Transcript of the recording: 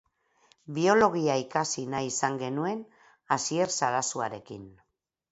Biologia ikasi nahi izan genuen Asier Sarasuarekin.